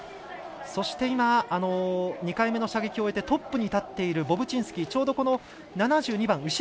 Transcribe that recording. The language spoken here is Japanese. そして、今２回目の射撃を終えてトップに立っているボブチンスキー。